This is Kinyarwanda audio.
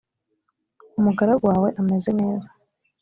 umugaragu wawe ameze neza